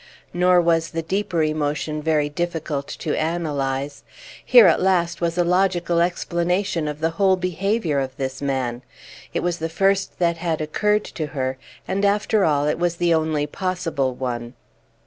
Nor was the deeper emotion very difficult to analyze. Here at last was a logical explanation of the whole behavior of this man; it was the first that had occurred to her, and, after all, it was the only possible one.